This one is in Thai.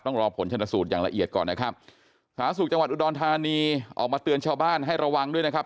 ต้องรอผลชนสูตรอย่างละเอียดก่อนนะครับสาธารณสุขจังหวัดอุดรธานีออกมาเตือนชาวบ้านให้ระวังด้วยนะครับ